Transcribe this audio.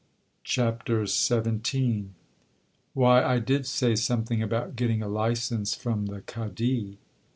CHAPTER XVII 'Why, I did say something about getting a licence from the Cadi.'